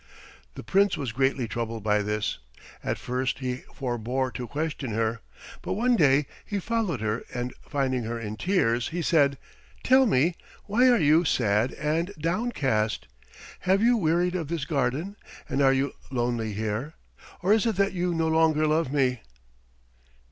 The Prince was greatly troubled by this. At first he forbore to question her, but one day he followed her and finding her in tears, he said, "Tell me, why are you sad and downcast? Have you wearied of this garden, and are you lonely here; or is it that you no longer love me?"